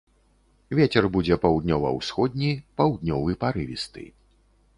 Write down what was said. Вецер будзе паўднёва-ўсходні, паўднёвы парывісты.